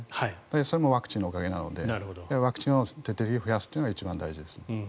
それもワクチンのおかげなのでワクチンを徹底的に増やすことが一番大事ですね。